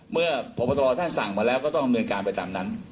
เมื่อพบตรท่านสั่งมาแล้วก็ต้องดำเนินการไปตามนั้น